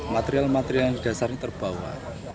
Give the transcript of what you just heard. material material yang jasadnya terbawa